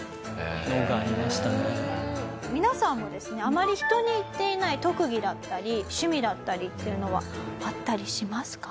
皆さんもですねあまり人に言っていない特技だったり趣味だったりっていうのはあったりしますか？